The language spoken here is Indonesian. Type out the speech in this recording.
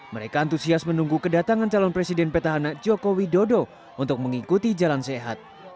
mereka antusias menunggu kedatangan calon presiden petahana joko widodo untuk mengikuti jalan sehat